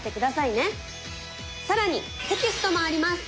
更にテキストもあります。